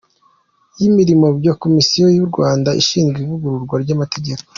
y‟imirimo bya Komisiyo y‟u Rwanda ishinzwe Ivugururwa ry‟Amategeko